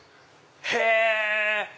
へぇ！